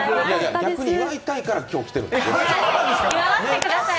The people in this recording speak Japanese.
逆に祝いたいから今日来ている。